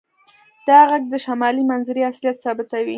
دا غږ د شمالي منظرې اصلیت ثابتوي